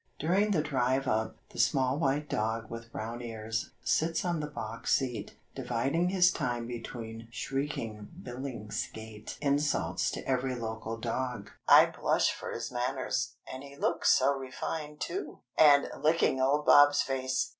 During the drive up, the small white dog with brown ears, sits on the box seat, dividing his time between shrieking Billingsgate insults to every local dog (I blush for his manners. And he looks so refined too!) and licking old Bob's face.